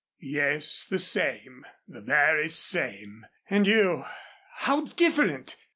"Yes. The same. The very same. And you, how different!